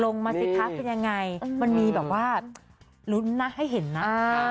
มาสิคะเป็นยังไงมันมีแบบว่าลุ้นนะให้เห็นนะ